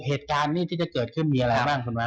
เหตุการณ์นี้ที่จะเกิดขึ้นมีอะไรบ้างคุณวัด